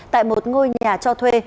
tại một ngôi nhà cho thuê